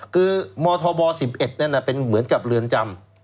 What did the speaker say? คือมธบ๑๑นั่นเป็นเหมือนกับเรือนจำ